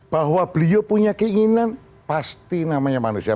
bahwa beliau punya keinginan pasti namanya manusia